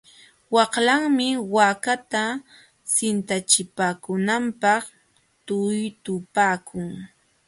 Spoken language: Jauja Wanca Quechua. Waqlawanmi waakata sintachipaakunanpaq tuytupaakun.